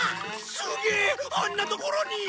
すげえあんなところに！